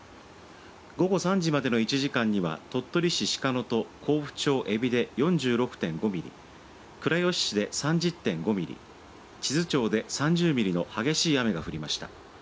午後３時までの１時間には鳥取市鹿野と江府町江尾で４６．５ミリ、倉吉市で３０．５ミリ、智頭町で３０ミリの激しい雨が降りました。